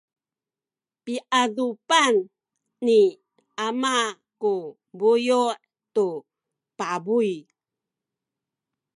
piadupan ni ama ku buyu’ tu pabuy.